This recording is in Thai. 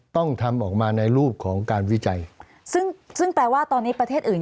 ต้องทำออกมาในรูปของการวิจัยซึ่งซึ่งแปลว่าตอนนี้ประเทศอื่น